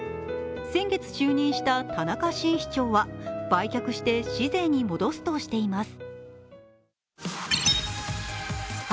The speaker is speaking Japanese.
先月就任した田中新市長は売却して市税に戻すとしています。